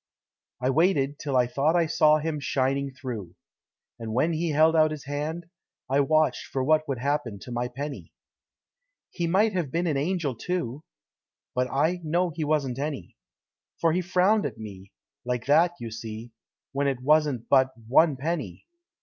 I waited, till I thought I saw Him shining through. And when he Held out his hand, I watched for what Would happen to my penny. He might have been an Angel, too! But I know he wasn't any. For he frowned at me, like that, you see, When it wasn't but One penny.